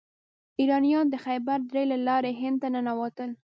آریایان د خیبر درې له لارې هند ته ننوتل.